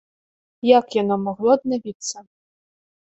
Як яно магло аднавіцца?